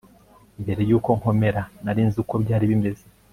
mbere yuko nkomera, nari nzi uko byari bimeze